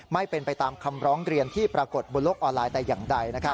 ไม่เป็นไปตามคำร้องเรียนที่ปรากฏบนโลกออนไลน์แต่อย่างใด